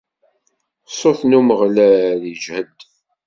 Ṣṣut n Umeɣlal iǧhed.